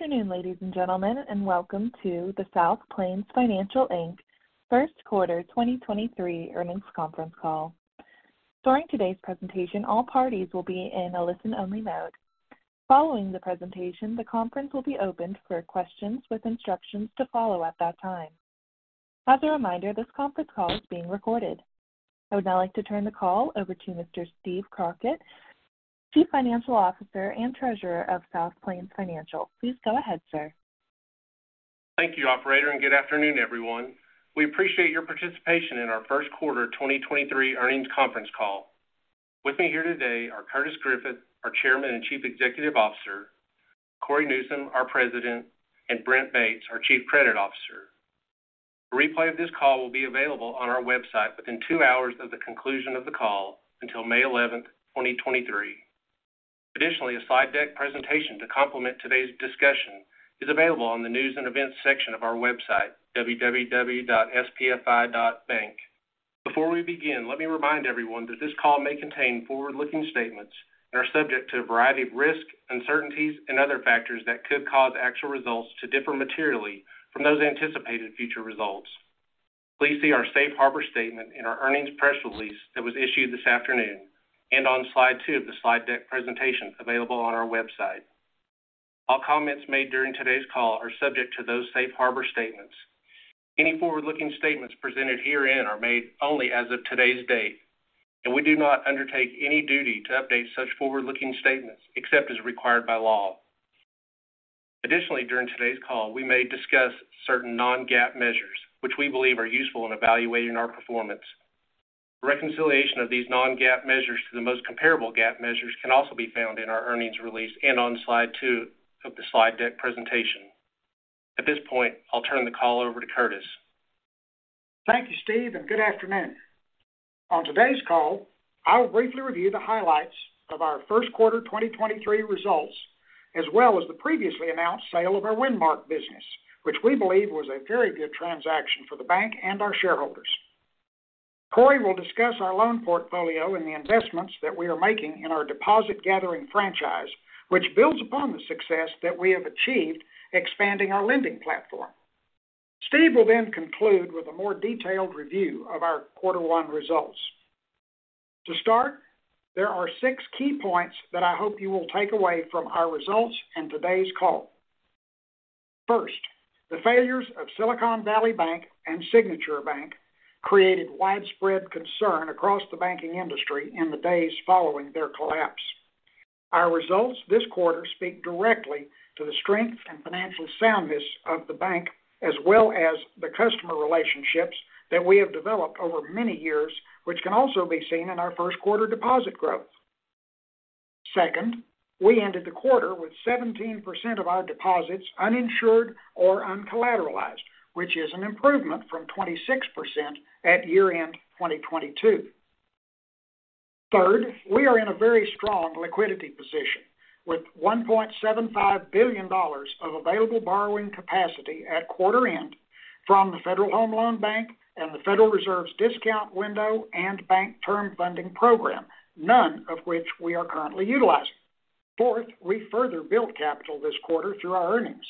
Good afternoon, ladies and gentlemen, and welcome to the South Plains Financial Inc. First Quarter 2023 Earnings Conference Call. During today's presentation, all parties will be in a listen-only mode. Following the presentation, the conference will be opened for questions with instructions to follow at that time. As a reminder, this conference call is being recorded. I would now like to turn the call over to Mr. Steve Crockett, Chief Financial Officer and Treasurer of South Plains Financial. Please go ahead, sir. Thank you, operator. Good afternoon, everyone. We appreciate your participation in our first quarter 2023 earnings conference call. With me here today are Curtis Griffith, our Chairman and Chief Executive Officer, Cory Newsom, our President, and Brent Bates, our Chief Credit Officer. A replay of this call will be available on our website within two hours of the conclusion of the call until May 11, 2023. Additionally, a slide deck presentation to complement today's discussion is available on the News and Events section of our website, www.spfi.bank. Before we begin, let me remind everyone that this call may contain forward-looking statements and are subject to a variety of risks, uncertainties, and other factors that could cause actual results to differ materially from those anticipated future results. Please see our safe harbor statement in our earnings press release that was issued this afternoon and on slide two of the slide deck presentation available on our website. All comments made during today's call are subject to those safe harbor statements. Any forward-looking statements presented herein are made only as of today's date, and we do not undertake any duty to update such forward-looking statements except as required by law. Additionally, during today's call, we may discuss certain non-GAAP measures which we believe are useful in evaluating our performance. Reconciliation of these non-GAAP measures to the most comparable GAAP measures can also be found in our earnings release and on slide two of the slide deck presentation. At this point, I'll turn the call over to Curtis. Thank you, Steve. Good afternoon. On today's call, I'll briefly review the highlights of our first quarter 2023 results, as well as the previously announced sale of our Windmark business, which we believe was a very good transaction for the bank and our shareholders. Cory will discuss our loan portfolio and the investments that we are making in our deposit gathering franchise, which builds upon the success that we have achieved expanding our lending platform. Steve will conclude with a more detailed review of our quarter one results. To start, there are six key points that I hope you will take away from our results in today's call. First, the failures of Silicon Valley Bank and Signature Bank created widespread concern across the banking industry in the days following their collapse. Our results this quarter speak directly to the strength and financial soundness of the bank, as well as the customer relationships that we have developed over many years, which can also be seen in our first quarter deposit growth. Second, we ended the quarter with 17% of our deposits uninsured or uncollateralized, which is an improvement from 26% at year-end 2022. Third, we are in a very strong liquidity position with $1.75 billion of available borrowing capacity at quarter end from the Federal Home Loan Bank and the Federal Reserve's discount window and Bank Term Funding Program, none of which we are currently utilizing. Fourth, we further built capital this quarter through our earnings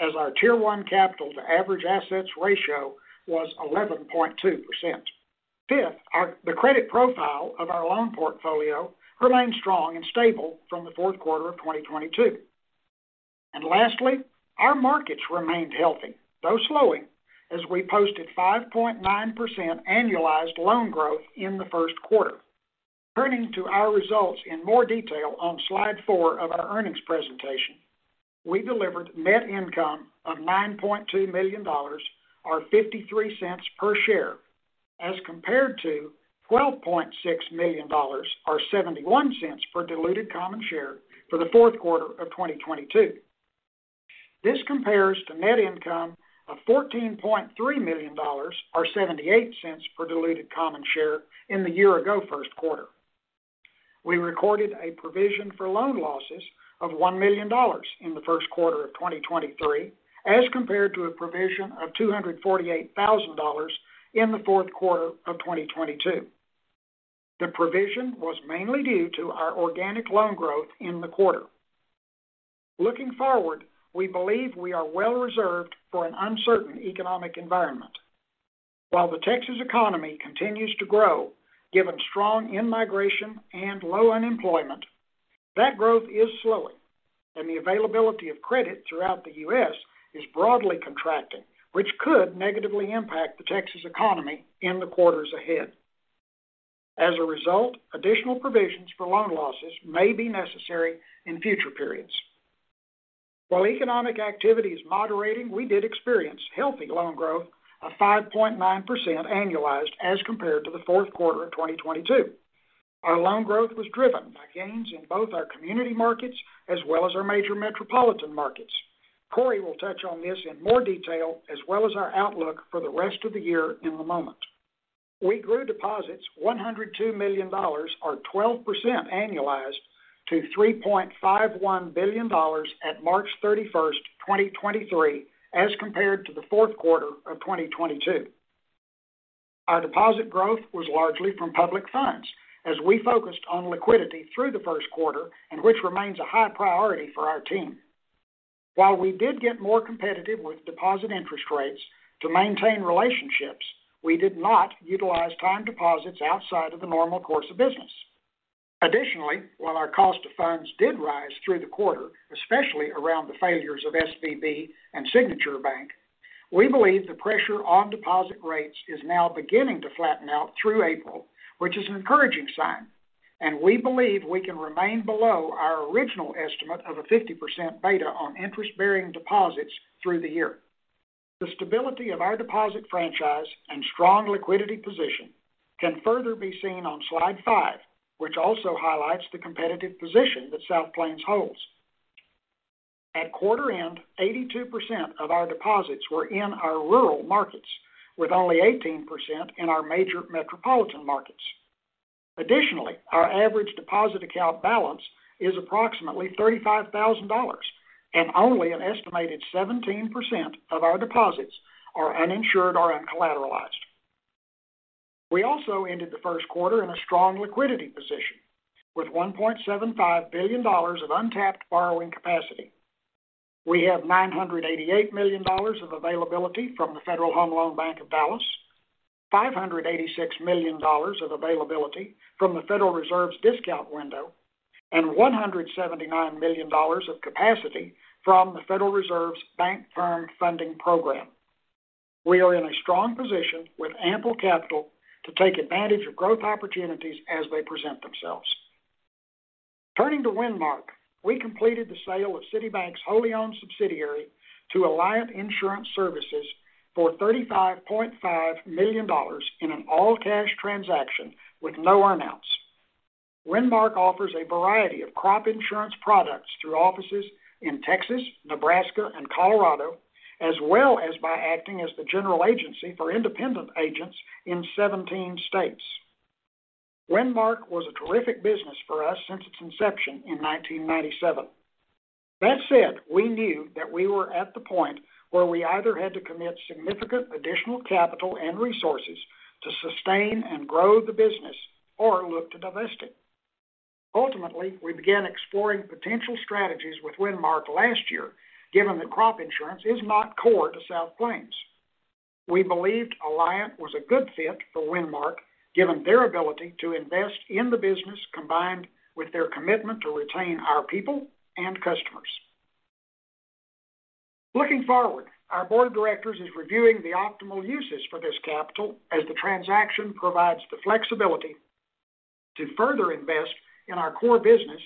as our Tier one capital to average assets ratio was 11.2%. Fifth, the credit profile of our loan portfolio remains strong and stable from the fourth quarter of 2022. Lastly, our markets remained healthy, though slowing, as we posted 5.9% annualized loan growth in the first quarter. Turning to our results in more detail on slide four of our earnings presentation, we delivered net income of $9.2 million or $0.53 per share as compared to $12.6 million or $0.71 per diluted common share for the fourth quarter of 2022. This compares to net income of $14.3 million or $0.78 per diluted common share in the year ago first quarter. We recorded a provision for loan losses of $1 million in the first quarter of 2023 as compared to a provision of $248,000 in the fourth quarter of 2022. The provision was mainly due to our organic loan growth in the quarter. Looking forward, we believe we are well reserved for an uncertain economic environment. While the Texas economy continues to grow, given strong in-migration and low unemployment, that growth is slowing, and the availability of credit throughout the U.S. is broadly contracting, which could negatively impact the Texas economy in the quarters ahead. Additional provisions for loan losses may be necessary in future periods. While economic activity is moderating, we did experience healthy loan growth of 5.9% annualized as compared to the fourth quarter of 2022. Our loan growth was driven by gains in both our community markets as well as our major metropolitan markets. Cory Newsom will touch on this in more detail as well as our outlook for the rest of the year in a moment. We grew deposits $102 million or 12% annualized to $3.51 billion at March 31st, 2023, as compared to the fourth quarter of 2022. Our deposit growth was largely from public funds as we focused on liquidity through the first quarter and which remains a high priority for our team. While we did get more competitive with deposit interest rates to maintain relationships, we did not utilize time deposits outside of the normal course of business. While our cost of funds did rise through the quarter, especially around the failures of SVB and Signature Bank, we believe the pressure on deposit rates is now beginning to flatten out through April, which is an encouraging sign, and we believe we can remain below our original estimate of a 50% beta on interest-bearing deposits through the year. The stability of our deposit franchise and strong liquidity position can further be seen on slide 5, which also highlights the competitive position that South Plains holds. At quarter end, 82% of our deposits were in our rural markets, with only 18% in our major metropolitan markets. Additionally, our average deposit account balance is approximately $35,000, and only an estimated 17% of our deposits are uninsured or uncollateralized. We also ended the first quarter in a strong liquidity position with $1.75 billion of untapped borrowing capacity. We have $988 million of availability from the Federal Home Loan Bank of Dallas, $586 million of availability from the Federal Reserve's discount window, and $179 million of capacity from the Federal Reserve's Bank Term Funding Program. We are in a strong position with ample capital to take advantage of growth opportunities as they present themselves. Turning to Windmark, we completed the sale of City Bank's wholly owned subsidiary to Alliant Insurance Services for $35.5 million in an all-cash transaction with no earnouts. Windmark offers a variety of crop insurance products through offices in Texas, Nebraska, and Colorado, as well as by acting as the general agency for independent agents in 17 states. Windmark was a terrific business for us since its inception in 1997. We knew that we were at the point where we either had to commit significant additional capital and resources to sustain and grow the business or look to divest it. We began exploring potential strategies with Windmark last year, given that crop insurance is not core to South Plains. We believed Alliant was a good fit for Windmark, given their ability to invest in the business, combined with their commitment to retain our people and customers. Our board of directors is reviewing the optimal uses for this capital as the transaction provides the flexibility to further invest in our core business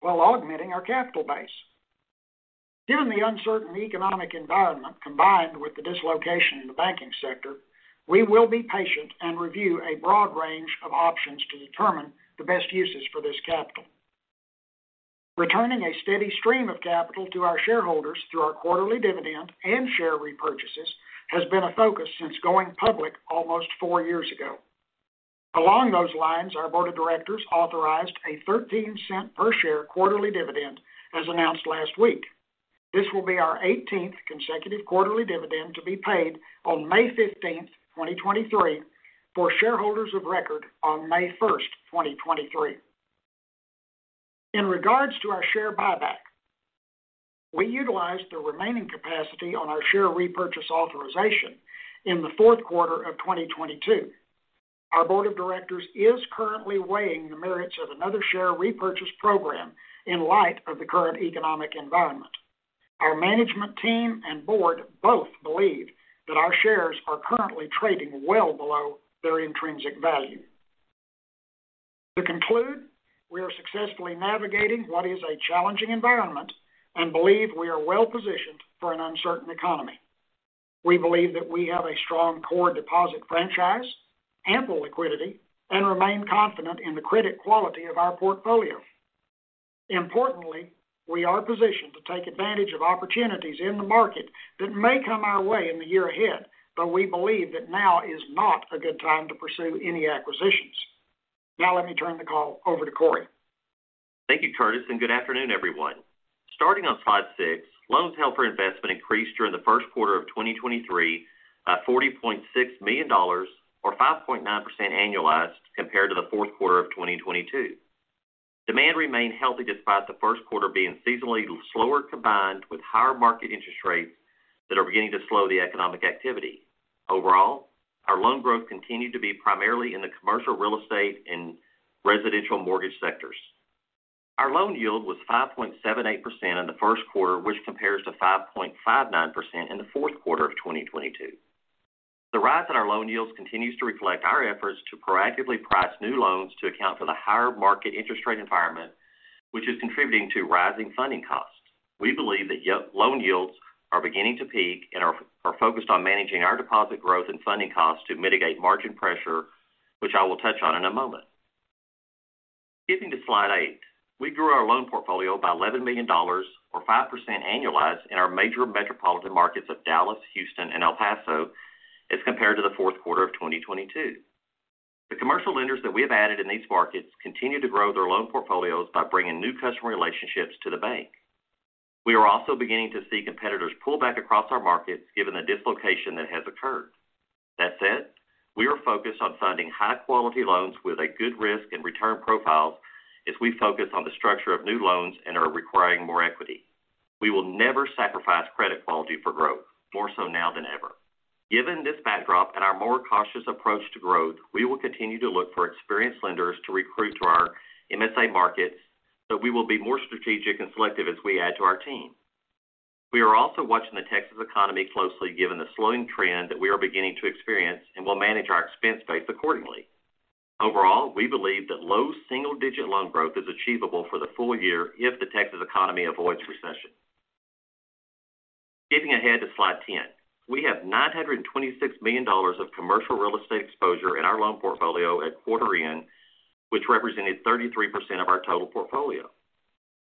while augmenting our capital base. Given the uncertain economic environment, combined with the dislocation in the banking sector, we will be patient and review a broad range of options to determine the best uses for this capital. Returning a steady stream of capital to our shareholders through our quarterly dividend and share repurchases has been a focus since going public almost four years ago. Our board of directors authorized a $0.13 per share quarterly dividend, as announced last week. This will be our 18th consecutive quarterly dividend to be paid on May 15th, 2023 for shareholders of record on May 1st, 2023. In regards to our share buyback, we utilized the remaining capacity on our share repurchase authorization in the fourth quarter of 2022. Our board of directors is currently weighing the merits of another share repurchase program in light of the current economic environment. Our management team and board both believe that our shares are currently trading well below their intrinsic value. To conclude, we are successfully navigating what is a challenging environment and believe we are well positioned for an uncertain economy. We believe that we have a strong core deposit franchise, ample liquidity, and remain confident in the credit quality of our portfolio. Importantly, we are positioned to take advantage of opportunities in the market that may come our way in the year ahead, but we believe that now is not a good time to pursue any acquisitions. Now, let me turn the call over to Cory. Thank you, Curtis. Good afternoon, everyone. Starting on slide six, loans held for investment increased during the first quarter of 2023, $40.6 million or 5.9% annualized compared to the fourth quarter of 2022. Demand remained healthy despite the first quarter being seasonally slower, combined with higher market interest rates that are beginning to slow the economic activity. Overall, our loan growth continued to be primarily in the commercial real estate and residential mortgage sectors. Our loan yield was 5.78% in the first quarter, which compares to 5.59% in the fourth quarter of 2022. The rise in our loan yields continues to reflect our efforts to proactively price new loans to account for the higher market interest rate environment, which is contributing to rising funding costs. We believe that loan yields are beginning to peak and are focused on managing our deposit growth and funding costs to mitigate margin pressure, which I will touch on in a moment. Skipping to slide 8, we grew our loan portfolio by $11 million or 5% annualized in our major metropolitan markets of Dallas, Houston, and El Paso as compared to the fourth quarter of 2022. The commercial lenders that we have added in these markets continue to grow their loan portfolios by bringing new customer relationships to the bank. We are also beginning to see competitors pull back across our markets given the dislocation that has occurred. That said, we are focused on funding high quality loans with a good risk and return profiles as we focus on the structure of new loans and are requiring more equity. We will never sacrifice credit quality for growth, more so now than ever. Given this backdrop and our more cautious approach to growth, we will continue to look for experienced lenders to recruit to our MSA markets, we will be more strategic and selective as we add to our team. We are also watching the Texas economy closely, given the slowing trend that we are beginning to experience, and we'll manage our expense base accordingly. Overall, we believe that low single-digit loan growth is achievable for the full year if the Texas economy avoids recession. Skipping ahead to slide 10. We have $926 million of commercial real estate exposure in our loan portfolio at quarter end, which represented 33% of our total portfolio.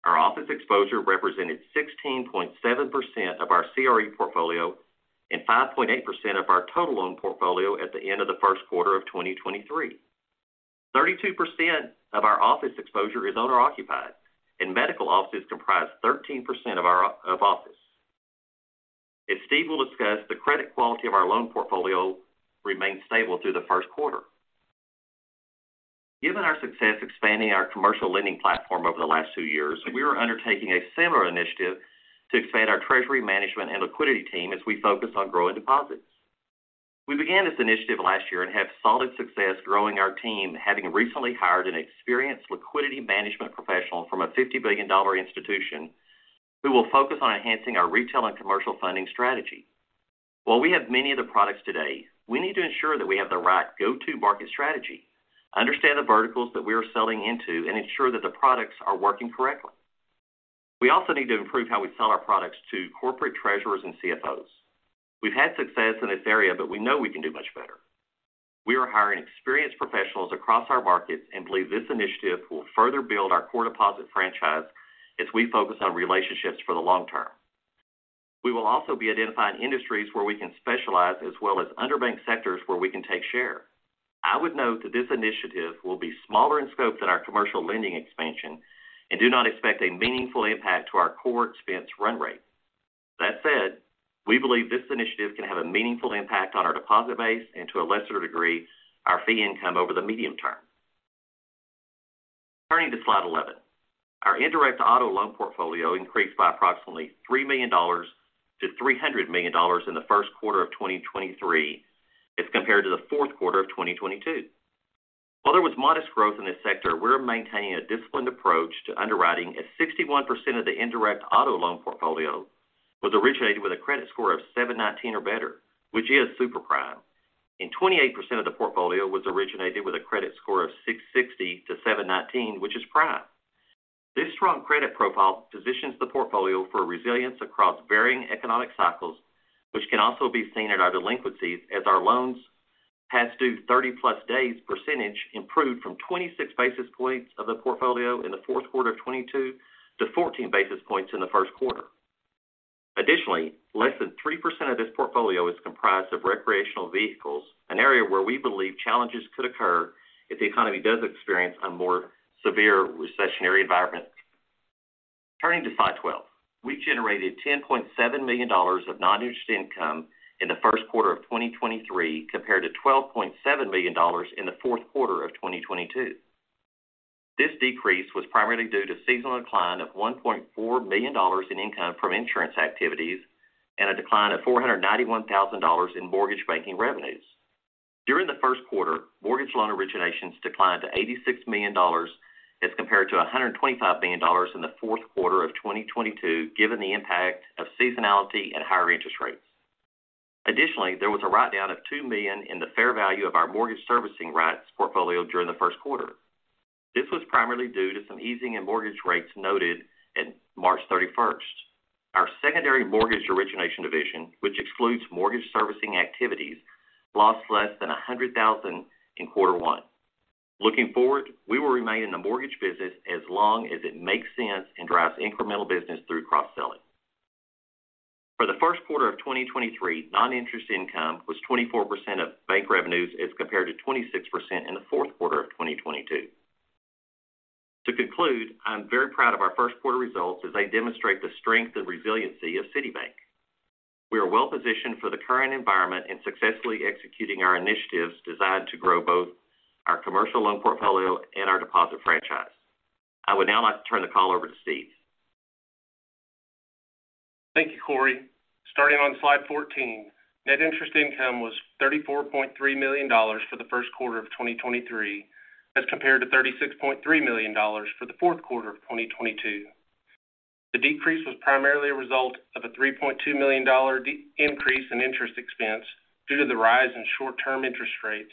Our office exposure represented 16.7% of our CRE portfolio and 5.8% of our total loan portfolio at the end of the first quarter of 2023. 32% of our office exposure is owner-occupied, and medical offices comprise 13% of office. As Steve will discuss, the credit quality of our loan portfolio remained stable through the first quarter. Given our success expanding our commercial lending platform over the last two years, we are undertaking a similar initiative to expand our treasury management and liquidity team as we focus on growing deposits. We began this initiative last year and have solid success growing our team, having recently hired an experienced liquidity management professional from a $50 billion institution who will focus on enhancing our retail and commercial funding strategy. While we have many of the products today, we need to ensure that we have the right go-to market strategy, understand the verticals that we are selling into, and ensure that the products are working correctly. We also need to improve how we sell our products to corporate treasurers and CFOs. We've had success in this area, but we know we can do much better. We are hiring experienced professionals across our markets and believe this initiative will further build our core deposit franchise as we focus on relationships for the long term. We will also be identifying industries where we can specialize, as well as underbanked sectors where we can take share. I would note that this initiative will be smaller in scope than our commercial lending expansion and do not expect a meaningful impact to our core expense run rate. That said, we believe this initiative can have a meaningful impact on our deposit base and to a lesser degree, our fee income over the medium term. Turning to slide 11. Our indirect auto loan portfolio increased by approximately $3 million-$300 million in the 1st quarter of 2023 as compared to the 4th quarter of 2022. While there was modest growth in this sector, we're maintaining a disciplined approach to underwriting as 61% of the indirect auto loan portfolio was originated with a credit score of 719 or better, which is super prime, and 28% of the portfolio was originated with a credit score of 660-719, which is prime. This strong credit profile positions the portfolio for resilience across varying economic cycles, which can also be seen in our delinquencies as our loans past due 30+ days percentage improved from 26 basis points of the portfolio in the fourth quarter of 2022 to 14 basis points in the first quarter. Additionally, less than 3% of this portfolio is comprised of recreational vehicles, an area where we believe challenges could occur if the economy does experience a more severe recessionary environment. Turning to slide 12. We generated $10.7 million of non-interest income in the first quarter of 2023, compared to $12.7 million in the fourth quarter of 2022. This decrease was primarily due to seasonal decline of $1.4 million in income from insurance activities and a decline of $491,000 in mortgage banking revenues. During the first quarter, mortgage loan originations declined to $86 million as compared to $125 million in the fourth quarter of 2022, given the impact of seasonality and higher interest rates. Additionally, there was a write down of $2 million in the fair value of our mortgage servicing rights portfolio during the first quarter. This was primarily due to some easing in mortgage rates noted in March 31st. Our secondary mortgage origination division, which excludes mortgage servicing activities, lost less than $100,000 in quarter one. Looking forward, we will remain in the mortgage business as long as it makes sense and drives incremental business through cross-selling. For the first quarter of 2023, non-interest income was 24% of bank revenues as compared to 26% in the fourth quarter of 2022. To conclude, I'm very proud of our first quarter results as they demonstrate the strength and resiliency of City Bank. We are well positioned for the current environment and successfully executing our initiatives designed to grow both our commercial loan portfolio and our deposit franchise. I would now like to turn the call over to Steve. Thank you, Cory. Starting on slide 14, net interest income was $34.3 million for the first quarter of 2023, as compared to $36.3 million for the fourth quarter of 2022. The decrease was primarily a result of a $3.2 million increase in interest expense due to the rise in short-term interest rates,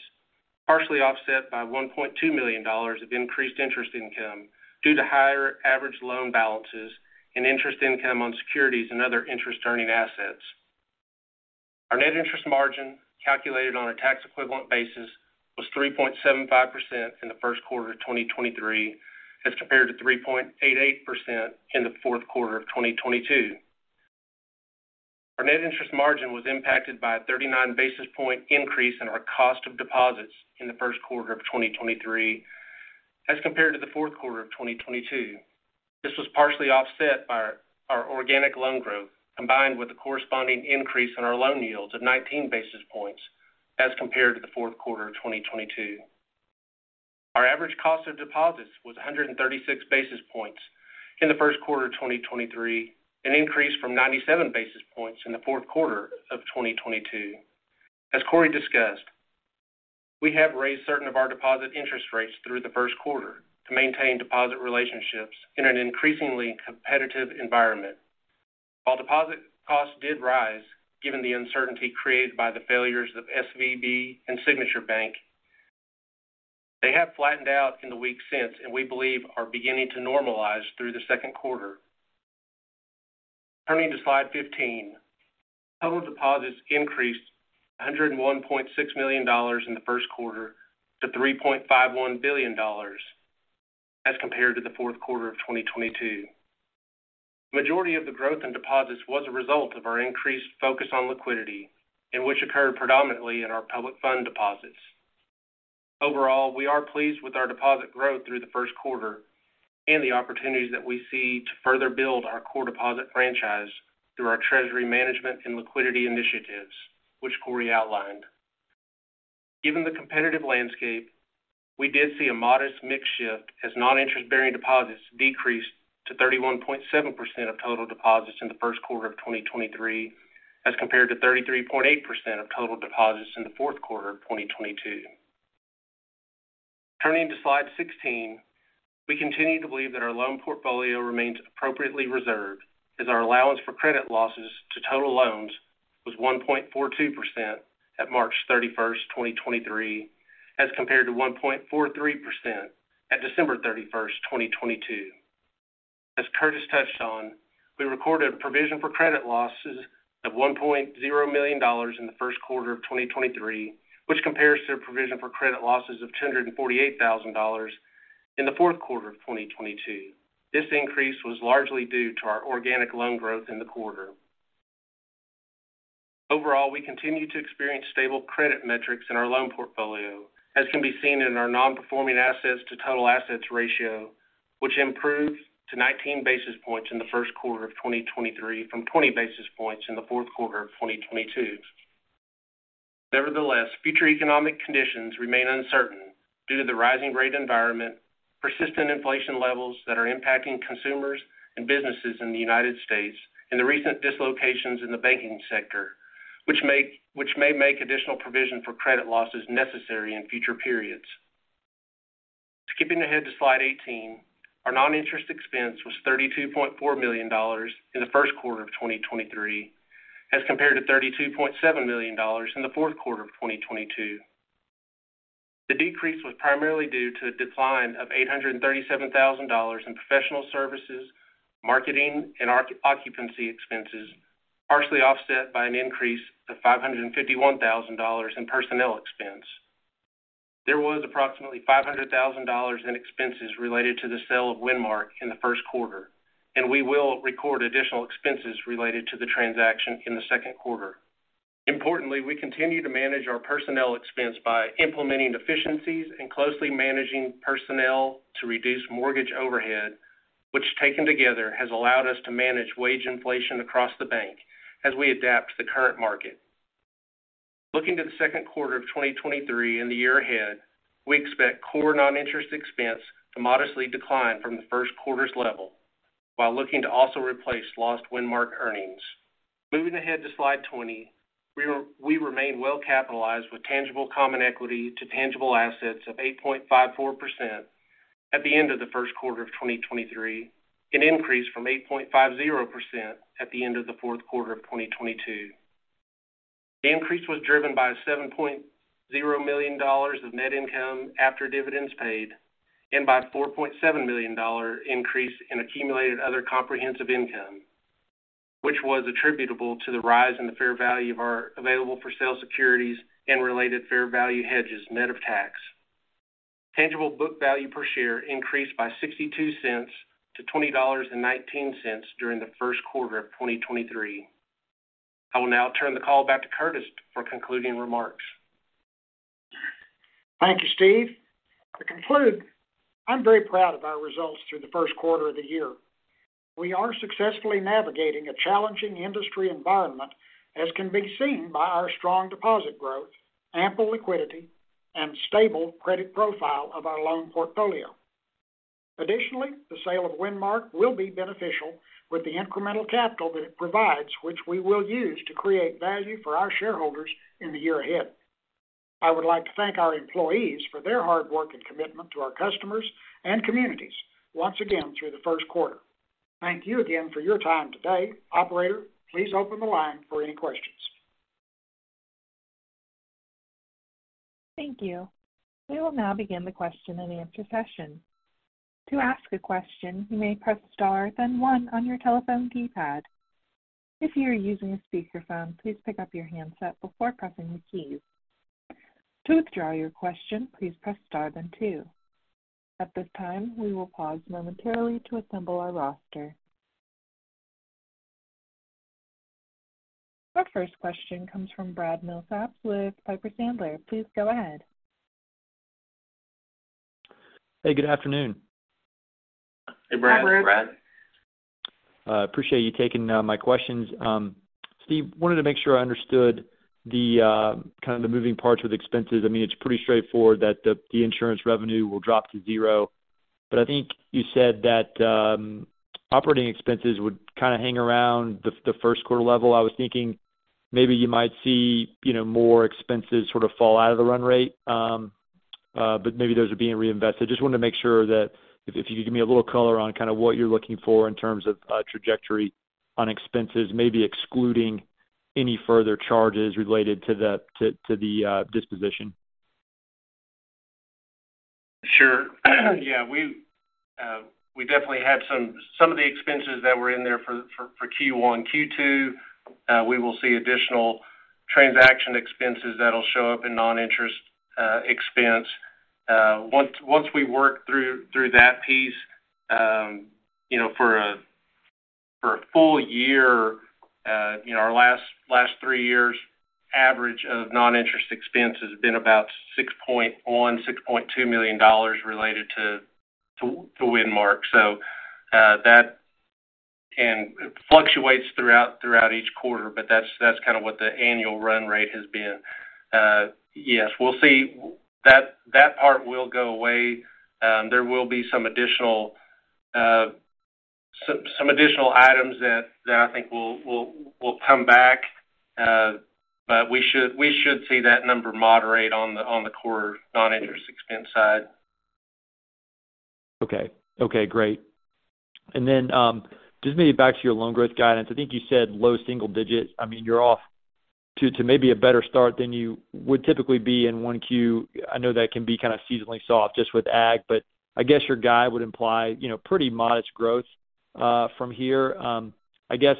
partially offset by $1.2 million of increased interest income due to higher average loan balances and interest income on securities and other interest-earning assets. Our net interest margin, calculated on a tax equivalent basis, was 3.75% in the first quarter of 2023, as compared to 3.88% in the fourth quarter of 2022. Our net interest margin was impacted by a 39 basis point increase in our cost of deposits in the first quarter of 2023 as compared to the fourth quarter of 2022. This was partially offset by our organic loan growth, combined with the corresponding increase in our loan yields of 19 basis points as compared to the fourth quarter of 2022. Our average cost of deposits was 136 basis points in the first quarter of 2023, an increase from 97 basis points in the fourth quarter of 2022. As Cory discussed, we have raised certain of our deposit interest rates through the first quarter to maintain deposit relationships in an increasingly competitive environment. While deposit costs did rise, given the uncertainty created by the failures of SVB and Signature Bank, they have flattened out in the weeks since, and we believe are beginning to normalize through the second quarter. Turning to slide 15, total deposits increased $101.6 million in the first quarter to $3.51 billion as compared to the fourth quarter of 2022. Majority of the growth in deposits was a result of our increased focus on liquidity, and which occurred predominantly in our public fund deposits. Overall, we are pleased with our deposit growth through the first quarter and the opportunities that we see to further build our core deposit franchise through our treasury management and liquidity initiatives, which Cory outlined. Given the competitive landscape, we did see a modest mix shift as non-interest-bearing deposits decreased to 31.7% of total deposits in the first quarter of 2023, as compared to 33.8% of total deposits in the fourth quarter of 2022. Turning to slide 16, we continue to believe that our loan portfolio remains appropriately reserved as our allowance for credit losses to total loans was 1.42% at March 31st, 2023, as compared to 1.43% at December 31st, 2022. As Curtis touched on, we recorded a provision for credit losses of $1.0 million in the first quarter of 2023, which compares to a provision for credit losses of $248,000 in the fourth quarter of 2022. This increase was largely due to our organic loan growth in the quarter. Overall, we continue to experience stable credit metrics in our loan portfolio, as can be seen in our non-performing assets to total assets ratio, which improved to 19 basis points in the first quarter of 2023 from 20 basis points in the fourth quarter of 2022. Nevertheless, future economic conditions remain uncertain due to the rising rate environment, persistent inflation levels that are impacting consumers and businesses in the United States, and the recent dislocations in the banking sector, which may make additional provision for credit losses necessary in future periods. Skipping ahead to slide 18, our non-interest expense was $32.4 million in the first quarter of 2023, as compared to $32.7 million in the fourth quarter of 2022. The decrease was primarily due to a decline of $837,000 in professional services, marketing, and occupancy expenses, partially offset by an increase of $551,000 in personnel expense. There was approximately $500,000 in expenses related to the sale of Windmark in the first quarter. We will record additional expenses related to the transaction in the second quarter. Importantly, we continue to manage our personnel expense by implementing efficiencies and closely managing personnel to reduce mortgage overhead, which taken together has allowed us to manage wage inflation across the bank as we adapt to the current market. Looking to the second quarter of 2023 and the year ahead, we expect core non-interest expense to modestly decline from the first quarter's level while looking to also replace lost Windmark earnings. Moving ahead to slide 20, we remain well capitalized with tangible common equity to tangible assets of 8.54% at the end of the first quarter of 2023, an increase from 8.50% at the end of the fourth quarter of 2022. The increase was driven by $7.0 million of net income after dividends paid and by a $4.7 million increase in accumulated other comprehensive income, which was attributable to the rise in the fair value of our available for sale securities and related fair value hedges net of tax. Tangible book value per share increased by $0.62 to $20.19 during the first quarter of 2023. I will now turn the call back to Curtis for concluding remarks. Thank you, Steve. To conclude, I'm very proud of our results through the first quarter of the year. We are successfully navigating a challenging industry environment, as can be seen by our strong deposit growth, ample liquidity, and stable credit profile of our loan portfolio. Additionally, the sale of Windmark will be beneficial with the incremental capital that it provides, which we will use to create value for our shareholders in the year ahead. I would like to thank our employees for their hard work and commitment to our customers and communities once again through the first quarter. Thank you again for your time today. Operator, please open the line for any questions. Thank you. We will now begin the question and answer session. To ask a question, you may press star then one on your telephone keypad. If you are using a speakerphone, please pick up your handset before pressing the keys. To withdraw your question, please press star then two. At this time, we will pause momentarily to assemble our roster. Our first question comes from Brad Milsaps with Piper Sandler. Please go ahead. Hey, good afternoon. Hey, Brad. Hi, Brad. Appreciate you taking my questions. Steve, wanted to make sure I understood the kind of the moving parts with expenses. I mean, it's pretty straightforward that the insurance revenue will drop to zero. I think you said that operating expenses would kinda hang around the first quarter level. I was thinking maybe you might see, you know, more expenses sort of fall out of the run rate, but maybe those are being reinvested. Just wanted to make sure that if you could give me a little color on kinda what you're looking for in terms of trajectory on expenses, maybe excluding any further charges related to the disposition. Sure. Yeah, we definitely had some of the expenses that were in there for Q1, Q2, we will see additional transaction expenses that'll show up in non-interest expense. Once we work through that piece, you know, for a full year, you know, our last three years average of non-interest expense has been about $6.1 million-$6.2 million related to Windmark. It fluctuates throughout each quarter, but that's kinda what the annual run rate has been. Yes, we'll see that part will go away. There will be some additional items that I think will come back. We should see that number moderate on the core non-interest expense side. Okay. Okay, great. Just maybe back to your loan growth guidance. I think you said low single digits. I mean, you're off to maybe a better start than you would typically be in 1Q. I know that can be kinda seasonally soft just with ag, but I guess your guide would imply, you know, pretty modest growth from here. I guess,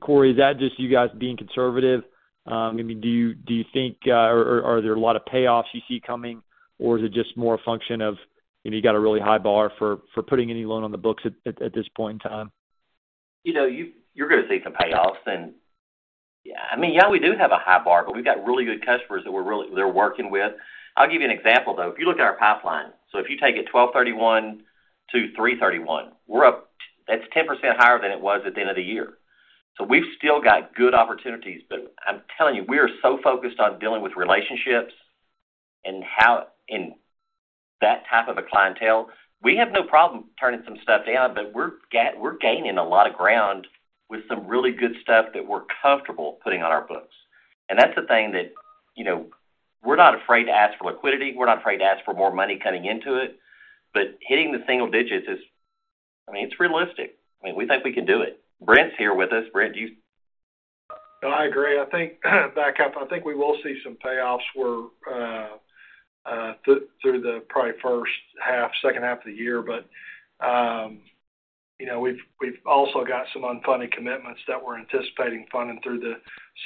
Cory, is that just you guys being conservative? I mean, do you think or are there a lot of payoffs you see coming? Or is it just more a function of if you got a really high bar for putting any loan on the books at this point in time? You know, you're gonna see some payoffs. Yeah, I mean, yeah, we do have a high bar, but we've got really good customers that we're working with. I'll give you an example, though. If you look at our pipeline. If you take it 12/31 to 3/31, we're up. That's 10% higher than it was at the end of the year. We've still got good opportunities. I'm telling you, we are so focused on dealing with relationships and how and that type of a clientele. We have no problem turning some stuff down, but we're gaining a lot of ground with some really good stuff that we're comfortable putting on our books. That's the thing that, you know, we're not afraid to ask for liquidity. We're not afraid to ask for more money coming into it. Hitting the single digits is, I mean, it's realistic. I mean, we think we can do it. Brent's here with us. Brent, do you... No, I agree. I think back up, I think we will see some payoffs where through the probably first half, second half of the year. You know, we've also got some unfunded commitments that we're anticipating funding through the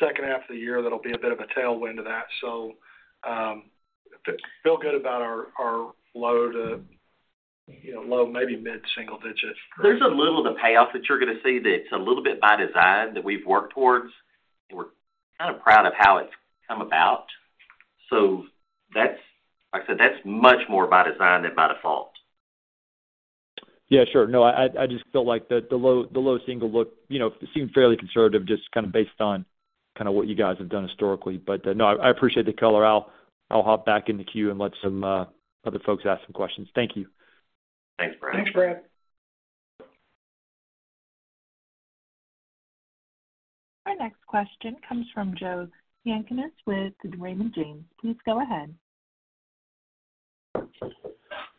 second half of the year. That'll be a bit of a tailwind to that. Feel good about our low to, you know, low, maybe mid single digits. There's a little of the payoffs that you're gonna see that it's a little bit by design that we've worked towards, and we're kind of proud of how it's come about. Like I said, that's much more by design than by default. Yeah, sure. No, I just feel like the low single look, you know, seem fairly conservative, just kind based on kinda what you guys have done historically. No, I appreciate the color. I'll hop back in the queue and let some other folks ask some questions. Thank you. Thanks, Brad. Thanks, Brad. Our next question comes from Joe Yanchunis with Raymond James. Please go ahead.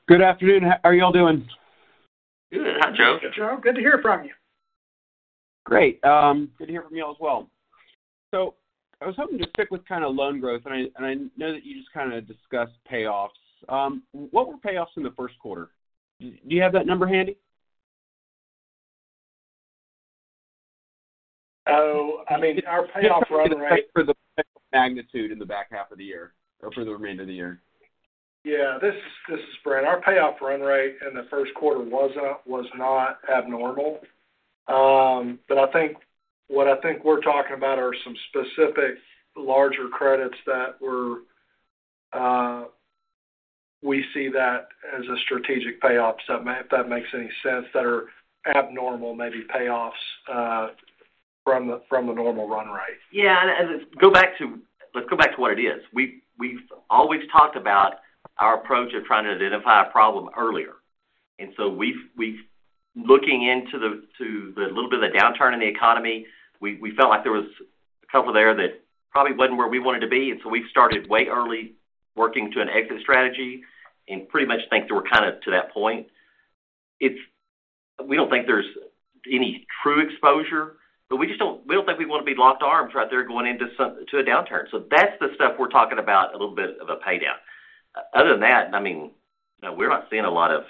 Good afternoon. How are y'all doing? Good. Joe, good to hear from you. Great. good to hear from y'all as well. I was hoping to stick with kind of loan growth, and I know that you just kind of discussed payoffs. What were payoffs in the first quarter? Do you have that number handy? I mean, our payoff run rate- Just trying to get a sense for the magnitude in the back half of the year or for the remainder of the year. Yeah. This is Brent. Our payoff run rate in the first quarter was not abnormal. I think what we're talking about are some specific larger credits we see that as a strategic payoff, if that makes any sense, that are abnormal, maybe payoffs from the normal run rate. Yeah. Let's go back to what it is. We've always talked about our approach of trying to identify a problem earlier. We've looking into the little bit of the downturn in the economy, we felt like there was a couple there that probably wasn't where we wanted to be, and so we started way early working to an exit strategy and pretty much think that we're kinda to that point. If... We don't think there's any true exposure, but we just don't think we wanna be locked arms right there going into a downturn. That's the stuff we're talking about a little bit of a paydown. Other than that, I mean, you know, we're not seeing a lot of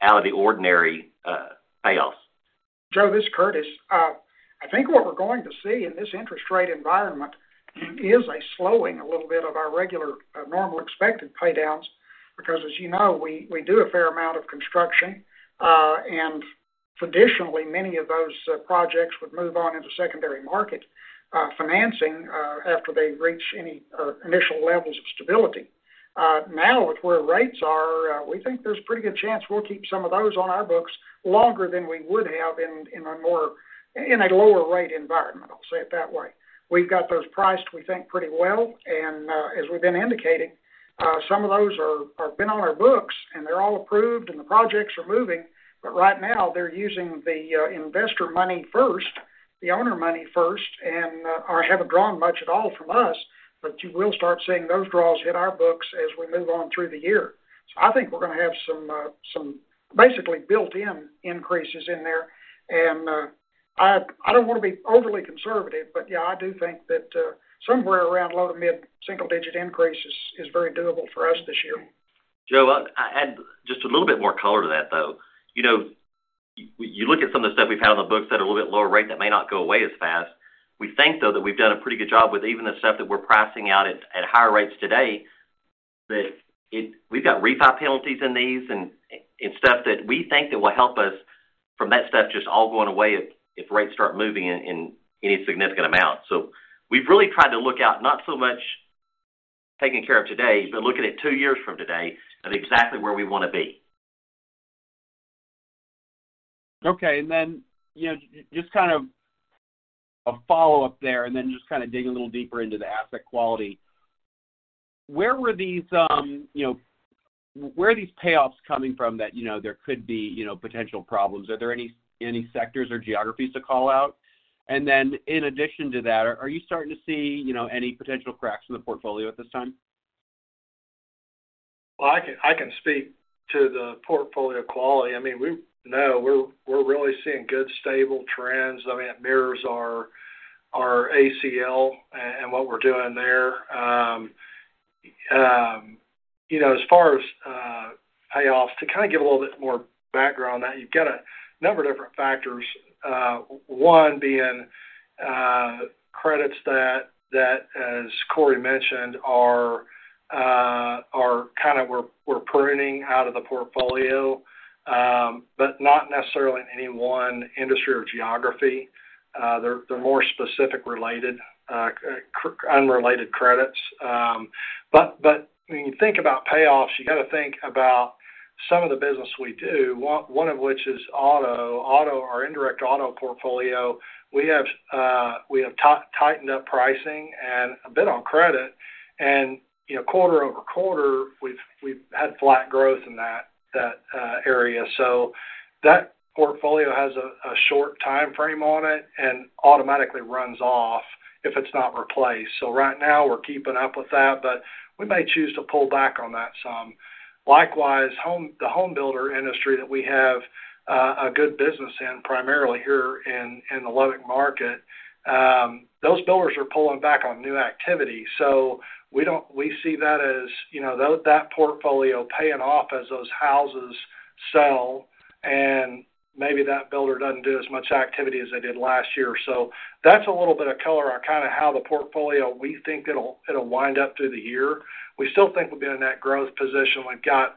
out of the ordinary payoffs. Joe, this is Curtis. I think what we're going to see in this interest rate environment is a slowing, a little bit, of our regular, normal expected paydowns because as you know, we do a fair amount of construction. Traditionally, many of those, projects would move on into secondary market, financing, after they reach any, initial levels of stability. With where rates are, we think there's a pretty good chance we'll keep some of those on our books longer than we would have in a lower rate environment, I'll say it that way. We've got those priced, we think, pretty well. As we've been indicating, some of those are been on our books, and they're all approved, and the projects are moving. Right now, they're using the investor money first, the owner money first, and or haven't drawn much at all from us. You will start seeing those draws hit our books as we move on through the year. I think we're gonna have some basically built-in increases in there. I don't wanna be overly conservative, but yeah, I do think that somewhere around low to mid single digit increase is very doable for us this year. Joe, I add just a little bit more color to that, though. You know, you look at some of the stuff we've had on the books that are a little bit lower rate that may not go away as fast. We think, though, that we've done a pretty good job with even the stuff that we're pricing out at higher rates today, that it. We've got refi penalties in these and stuff that we think that will help us from that stuff just all going away if rates start moving in any significant amount. We've really tried to look out not so much taking care of today, but looking at two years from today of exactly where we wanna be. Okay. You know, just kind of a follow-up there, and then just kind of dig a little deeper into the asset quality. Where were these, you know, where are these payoffs coming from that, you know, there could be, you know, potential problems? Are there any sectors or geographies to call out? In addition to that, are you starting to see, you know, any potential cracks in the portfolio at this time? Well, I can speak to the portfolio quality. I mean, we're really seeing good, stable trends. I mean, it mirrors our ACL and what we're doing there. you know, as far as payoffs, to kind of give a little bit more background on that, you've got a number of different factors. one being credits that, as Cory Newsom mentioned, are kind of we're pruning out of the portfolio, but not necessarily in any one industry or geography. They're more specific related unrelated credits. but when you think about payoffs, you got to think about some of the business we do, one of which is auto. Our indirect auto portfolio, we have tightened up pricing and a bit on credit. You know, quarter-over-quarter, we've had flat growth in that area. That portfolio has a short timeframe on it and automatically runs off if it's not replaced. Right now, we're keeping up with that, but we may choose to pull back on that some. Likewise, the home builder industry that we have a good business in, primarily here in the Lubbock market, those builders are pulling back on new activity. We see that as, you know, that portfolio paying off as those houses sell, and maybe that builder doesn't do as much activity as they did last year. That's a little bit of color on kind of how the portfolio, we think it'll wind up through the year. We still think we'll be in that growth position. We've got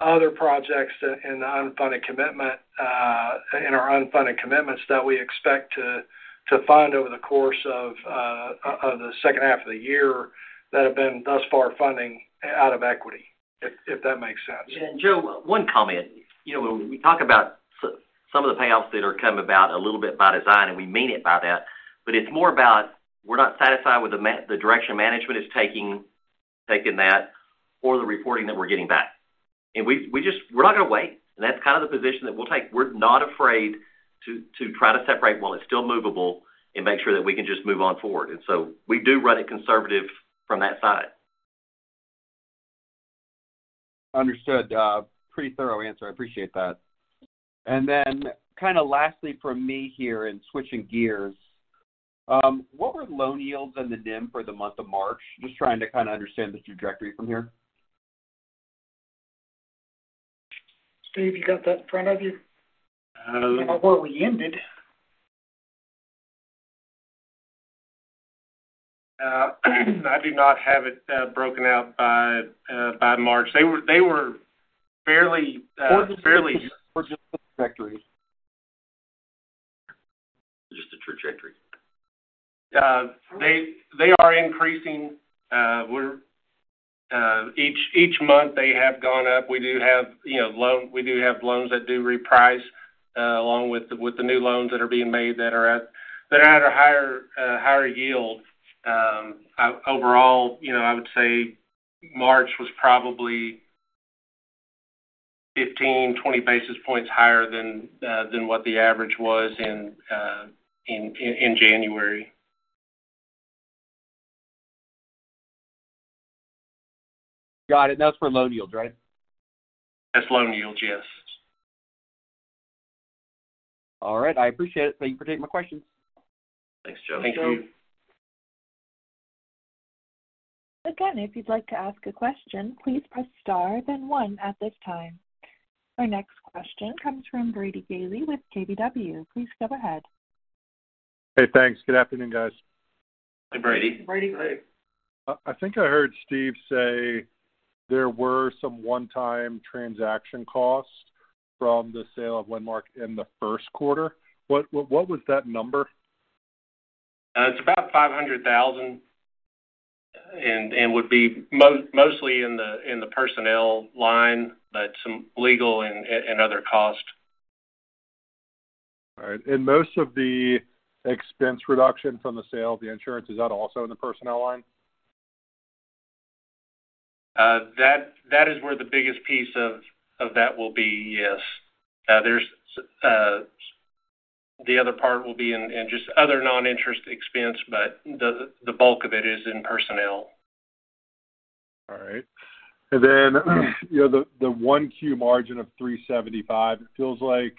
other projects in the unfunded commitment, in our unfunded commitments that we expect to fund over the course of the second half of the year that have been thus far funding out of equity, if that makes sense. Joe, one comment. You know, when we talk about some of the payoffs that are come about a little bit by design, and we mean it by that, but it's more about we're not satisfied with the direction management is taking that or the reporting that we're getting back. We just, we're not gonna wait. That's kind of the position that we'll take. We're not afraid to try to separate while it's still movable and make sure that we can just move on forward. We do run it conservative from that side. Understood. Pretty thorough answer. I appreciate that. Kinda lastly from me here and switching gears, what were loan yields in the NIM for the month of March? Just trying to kinda understand the trajectory from here. Steve, you got that in front of you? Um. Where we ended. I do not have it broken out by March. They were fairly. For just the trajectory. Just the trajectory. They are increasing. Each month they have gone up. We do have, you know, loans that do reprice, along with the new loans that are being made that are at a higher yield. Overall, you know, I would say March was probably 15 basis points, 20 basis points higher than what the average was in January. Got it. That was for loan yields, right? That's loan yields, yes. All right. I appreciate it. Thank you for taking my questions. Thanks, Joe. Thank you. Again, if you'd like to ask a question, please press star then one at this time. Our next question comes from Brady Gailey with KBW. Please go ahead. Hey, thanks. Good afternoon, guys. Hi, Brady. Brady. I think I heard Steve say there were some one-time transaction costs from the sale of Windmark in the first quarter. What was that number? It's about $500,000 and would be mostly in the personnel line, but some legal and other costs. All right. Most of the expense reduction from the sale of the insurance, is that also in the personnel line? That is where the biggest piece of that will be, yes. There's The other part will be in just other non-interest expense, but the bulk of it is in personnel. All right. You know, the one Q margin of 3.75%, it feels like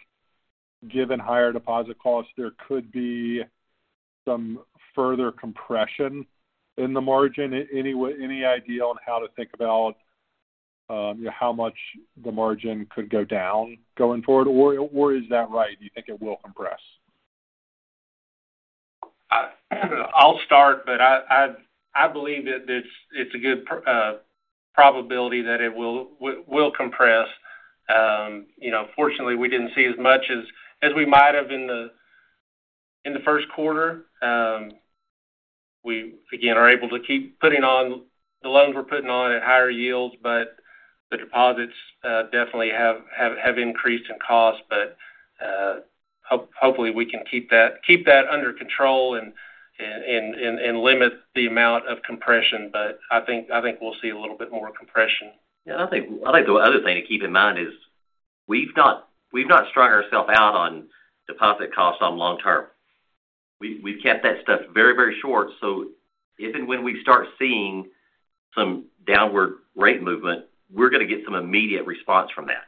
given higher deposit costs, there could be some further compression in the margin. Any idea on how to think about how much the margin could go down going forward? Or is that right? Do you think it will compress? I'll start, but I believe that it's a good probability that it will compress. You know, fortunately, we didn't see as much as we might have in the first quarter. We again are able to keep putting on the loans we're putting on at higher yields, but the deposits definitely have increased in cost. Hopefully, we can keep that under control and limit the amount of compression. I think we'll see a little bit more compression. I think the other thing to keep in mind is we've not strung ourself out on deposit costs on long term. We've kept that stuff very, very short. If and when we start seeing some downward rate movement, we're gonna get some immediate response from that.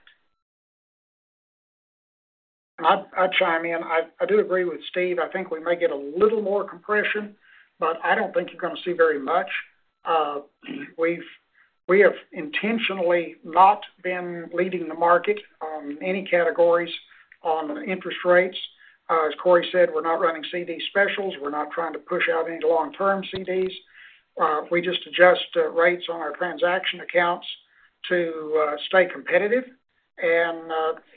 I'd chime in. I do agree with Steve. I think we may get a little more compression, but I don't think you're gonna see very much. We have intentionally not been leading the market on any categories on interest rates. As Cory Newsom said, we're not running CD specials. We're not trying to push out any long-term CDs. We just adjust rates on our transaction accounts to stay competitive. You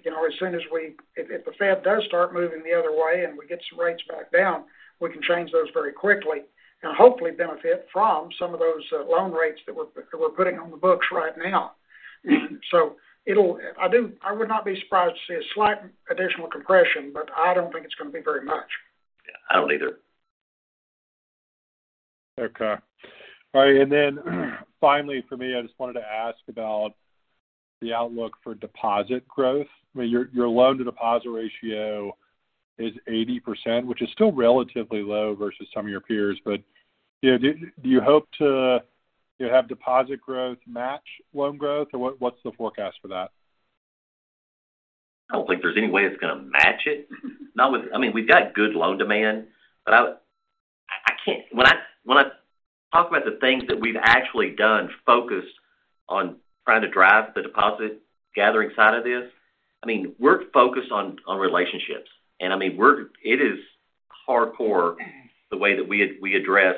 know, as soon as if the Fed does start moving the other way and we get some rates back down, we can change those very quickly and hopefully benefit from some of those loan rates that we're putting on the books right now. I would not be surprised to see a slight additional compression, but I don't think it's gonna be very much. Yeah, I don't either. Okay. All right. Finally for me, I just wanted to ask about the outlook for deposit growth. I mean, your loan to deposit ratio is 80%, which is still relatively low versus some of your peers. You know, do you hope to have deposit growth match loan growth, or what's the forecast for that? I don't think there's any way it's gonna match it. Not with. I mean, we've got good loan demand, but I can't when I talk about the things that we've actually done focused on trying to drive the deposit gathering side of this. I mean, we're focused on relationships, and I mean, we're it is hardcore the way that we address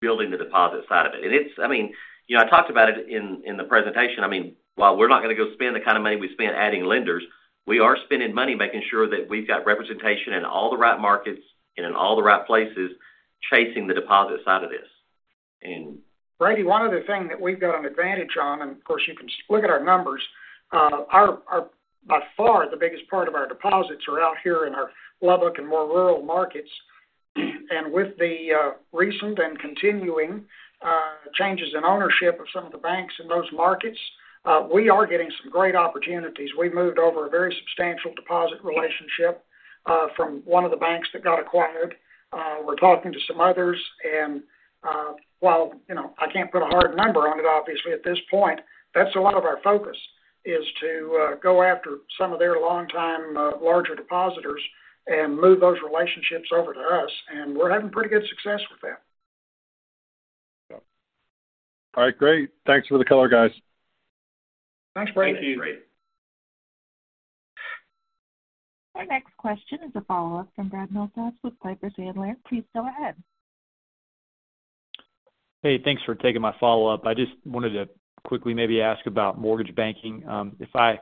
building the deposit side of it. It's. I mean, you know, I talked about it in the presentation. I mean, while we're not gonna go spend the kind of money we spent adding lenders, we are spending money making sure that we've got representation in all the right markets and in all the right places, chasing the deposit side of this. Brady, one other thing that we've got an advantage on, and of course, you can look at our numbers, our by far, the biggest part of our deposits are out here in our Lubbock and more rural markets. With the recent and continuing changes in ownership of some of the banks in those markets, we are getting some great opportunities. We moved over a very substantial deposit relationship from one of the banks that got acquired. We're talking to some others and, while, you know, I can't put a hard number on it obviously at this point, that's a lot of our focus, is to go after some of their longtime, larger depositors and move those relationships over to us, and we're having pretty good success with that. All right, great. Thanks for the color, guys. Thanks, Brady. Thank you. Our next question is a follow-up from Brad Milsaps with Piper Sandler. Please go ahead. Hey, thanks for taking my follow-up. I just wanted to quickly maybe ask about mortgage banking. If I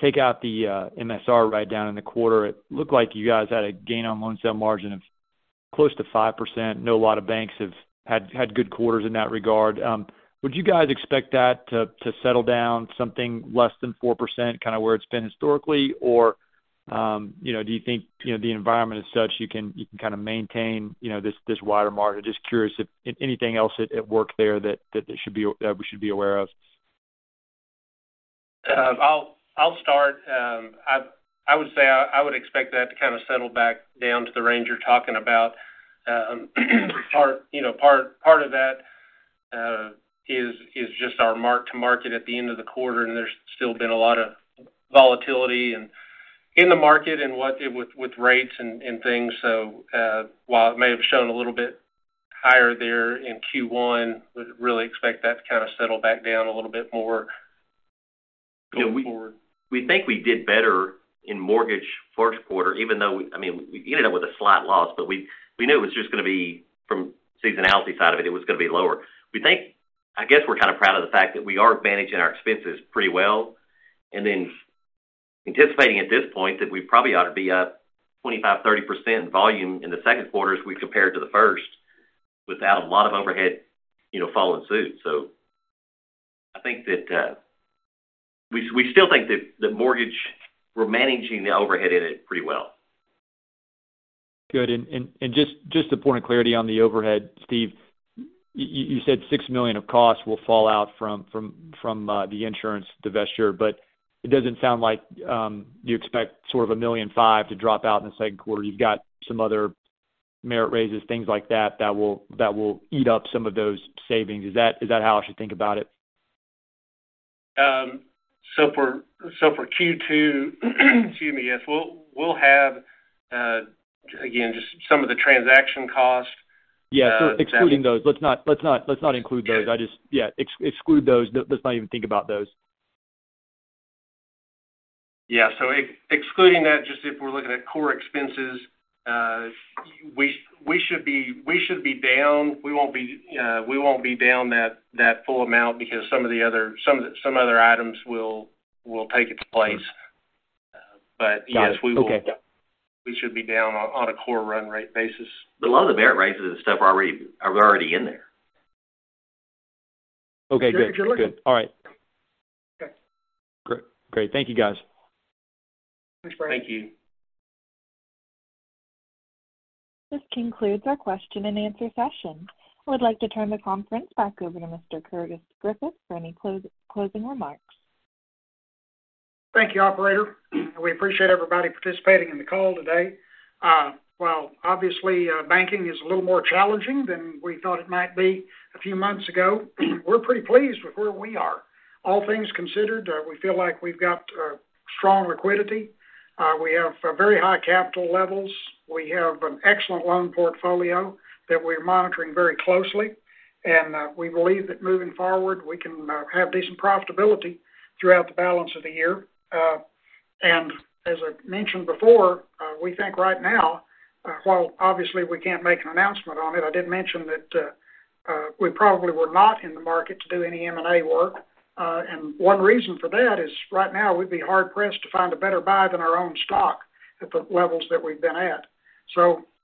take out the MSR write down in the quarter, it looked like you guys had a gain on loan sale margin of close to 5%. Know a lot of banks have had good quarters in that regard. Would you guys expect that to settle down something less than 4%, kind of where it's been historically? You know, do you think, you know, the environment is such you can kind of maintain, you know, this wider margin? Just curious if anything else at work there that we should be aware of. I'll start. I would say I would expect that to kind of settle back down to the range you're talking about. Part, you know, part of that, is just our mark-to-market at the end of the quarter, and there's still been a lot of volatility In the market and with rates and things. While it may have shown a little bit higher there in Q1, we really expect that to kind of settle back down a little bit more going forward. You know, we think we did better in mortgage first quarter even though, I mean, we ended up with a slight loss, but we knew it was just gonna be from seasonality side of it was gonna be lower. We think... I guess we're kind of proud of the fact that we are managing our expenses pretty well. Anticipating at this point that we probably ought to be up 25%-30% in volume in the second quarter as we compare to the first without a lot of overhead, you know, following suit. I think that, we still think that the mortgage, we're managing the overhead in it pretty well. Good. Just a point of clarity on the overhead, Steve. You said $6 million of costs will fall out from the insurance divestiture, but it doesn't sound like you expect sort of $1.5 million to drop out in the second quarter. You've got some other merit raises, things like that will eat up some of those savings. Is that how I should think about it? For Q2, excuse me, yes. We'll have again, just some of the transaction costs. Yeah, excluding those. Let's not include those. Yeah, exclude those. Let's not even think about those. Yeah. ex-excluding that, just if we're looking at core expenses, we should be down. We won't be, we won't be down that full amount because some of the other, some other items will take its place. Yes. Got it. Okay. We should be down on a core run rate basis. A lot of the merit raises and stuff are already in there. Okay, good. Good. All right. Okay. Great. Thank you, guys. Thanks, Brian. Thank you. This concludes our question and answer session. I would like to turn the conference back over to Mr. Curtis Griffith for any closing remarks. Thank you, operator. We appreciate everybody participating in the call today. While obviously, banking is a little more challenging than we thought it might be a few months ago, we're pretty pleased with where we are. All things considered, we feel like we've got strong liquidity. We have very high capital levels. We have an excellent loan portfolio that we're monitoring very closely. We believe that moving forward, we can have decent profitability throughout the balance of the year. As I mentioned before, we think right now, while obviously we can't make an announcement on it, I did mention that, we probably were not in the market to do any M&A work. One reason for that is right now, we'd be hard-pressed to find a better buy than our own stock at the levels that we've been at.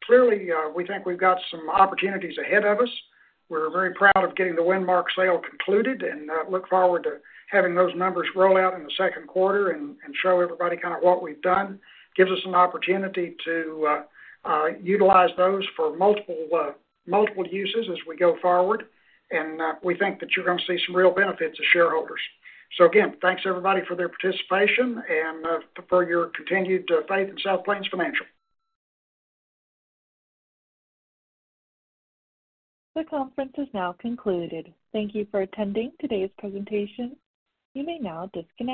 Clearly, we think we've got some opportunities ahead of us. We're very proud of getting the Windmark sale concluded and look forward to having those numbers roll out in the second quarter and show everybody kind of what we've done. Gives us an opportunity to utilize those for multiple uses as we go forward. We think that you're gonna see some real benefits as shareholders. Again, thanks everybody for their participation and for your continued faith in South Plains Financial. The conference is now concluded. Thank you for attending today's presentation. You may now disconnect.